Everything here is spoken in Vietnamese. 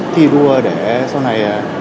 thi đua để sau này